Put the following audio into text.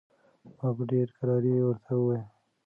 ما په ډېرې کرارۍ ورته وویل.